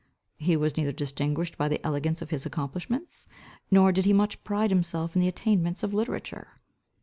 He was neither distinguished by the elegance of his accomplishments, nor did he much pride himself in the attainments of literature.